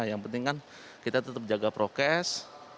yang penting kan kita tetap jaga prokes